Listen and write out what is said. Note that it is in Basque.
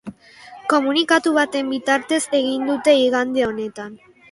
Komunikatu baten bitartez egin dute igande honetan.